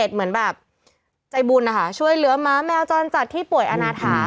เหมือนแบบใจบุญนะคะช่วยเหลือม้าแมวจรจัดที่ป่วยอนาถา